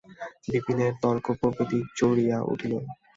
বিপিনের তর্কপ্রবৃত্তি চড়িয়া উঠিল।